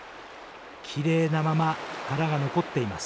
きれいなまま殻が残っています。